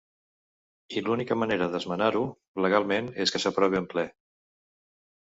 I l’única manera d’esmenar-ho legalment és que s’aprove en ple.